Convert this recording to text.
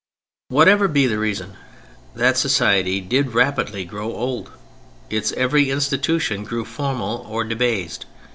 Whatever be the reason, that society did rapidly grow old. Its every institution grew formal or debased.